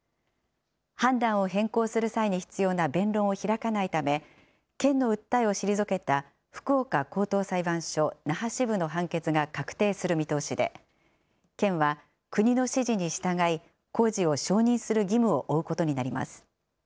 判断を変更する際に必要な弁論を開かないため、県の訴えを退けた福岡高等裁判所那覇支部の判決が確定する見通しで、県は国の指示に従い工事を承認する義務を負うことになります。